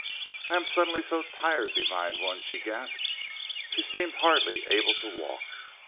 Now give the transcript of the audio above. "I am suddenly so tired, Divine One!" she gasped. She seemed hardly able to walk.